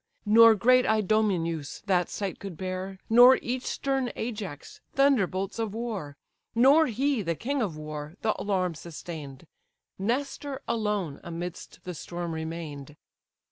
Nor great Idomeneus that sight could bear, Nor each stern Ajax, thunderbolts of war: Nor he, the king of war, the alarm sustain'd Nestor alone, amidst the storm remain'd.